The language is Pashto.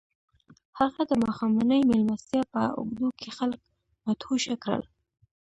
هغه د ماښامنۍ مېلمستیا په اوږدو کې خلک مدهوشه کړل